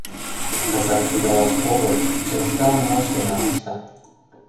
Казак кредалаш огыл, чывыштал налаш гына мошта.